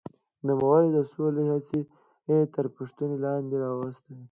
نوموړي د سولې هڅې تر پوښتنې لاندې راوستې.